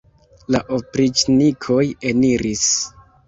La opriĉnikoj eniris.